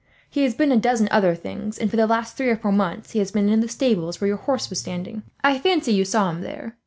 He has been a dozen other things, and for the last three or four months he has been in the stables where your horse was standing. I fancy you saw him there.